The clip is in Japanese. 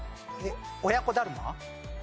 親子だるま？